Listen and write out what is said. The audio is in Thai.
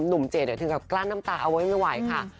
หนุ่มเจ๊เนี่ยถึงกล้านน้ำตาเอาไว้ไม่ไหวค่ะ